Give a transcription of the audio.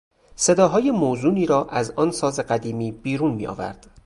صداهای موزونی را از آن ساز قدیمی بیرون می آورد.